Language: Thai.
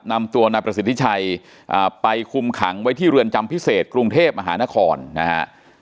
นำตัวนายประสิทธิชัยไปคุมขังไว้ที่เรือนจำพิเศษกรุงเทพมหานครนะฮะ